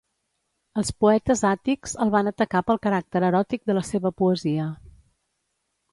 Els poetes àtics el van atacar pel caràcter eròtic de la seva poesia.